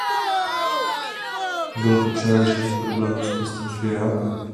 Byl potřeba vyřešit problém s postem zpěváka.